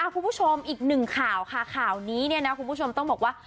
คุณผู้ชมอีกหนึ่งข่าวค่ะข่าวนี้เนี่ยนะคุณผู้ชมต้องบอกว่า